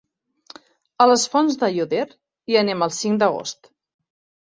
A les Fonts d'Aiòder hi anem el cinc d'agost.